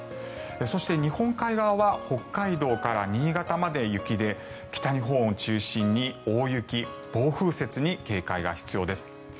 そして、日本海側は北海道から新潟まで雪で北日本を中心に大雪、暴風雪に警戒が必要です。